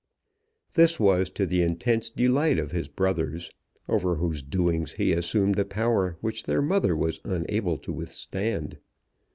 This was to the intense delight of his brothers, over whose doings he assumed a power which their mother was unable to withstand.